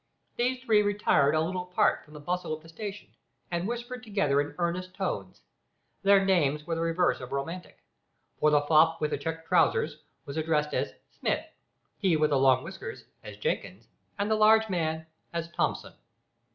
These three retired a little apart from the bustle of the station, and whispered together in earnest tones. Their names were the reverse of romantic, for the fop with the checked trousers was addressed as Smith, he with the long whiskers as Jenkins, and the large man as Thomson.